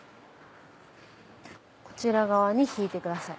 「こちら側に引いてください」。